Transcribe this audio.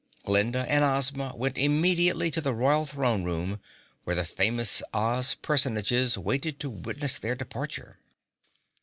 Glinda and Ozma went immediately to the Royal Throne Room where the famous Oz personages waited to witness their departure.